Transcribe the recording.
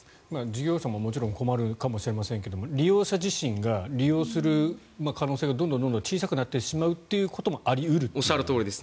事業者も困るかもしれませんが利用者自身が利用する可能性がどんどん小さくなってしまうこともおっしゃるとおりです。